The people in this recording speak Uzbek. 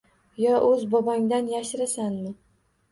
Yo oʻz bobongdan yashirasanmi?